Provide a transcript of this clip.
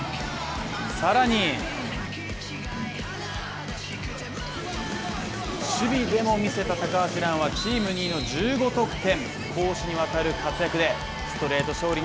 更に、守備でも見せた高橋藍はチーム２位の１５得点。